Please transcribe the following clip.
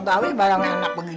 gak tau ibaratnya enak begini